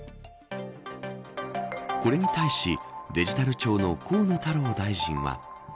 これに対しデジタル庁の河野太郎大臣は。